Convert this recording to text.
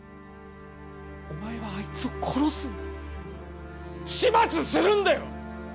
お前はあいつを殺すんだ始末するんだよ！